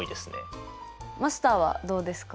マスターはどうですか？